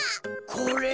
これ？